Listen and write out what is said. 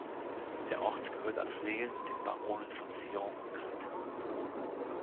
Der Ort gehörte als Lehen den Baronen von Sion und Crête.